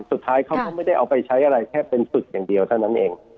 สุดท้ายเขาก็ไม่ได้เอาไปใช้อะไรแค่เป็นฝึกอย่างเดียวเท่านั้นเอง